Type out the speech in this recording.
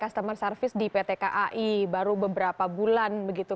customer service di pt kai baru beberapa bulan begitu